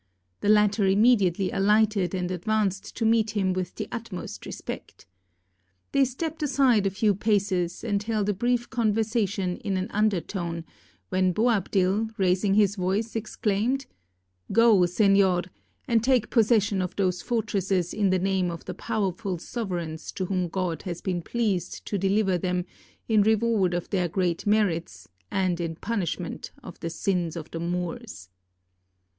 The latter immediately alighted, and advanced to meet him with the utmost respect. They stepped aside a few paces, and held a brief conversation in an under tone, when Boabdil, raising his voice, exclaimed, " Go, seiior, and take possession of those fortresses in the name of the powerful sovereigns to whom God has been pleased to deliver them in reward of their great merits, and in punishment of the sins of the Moors."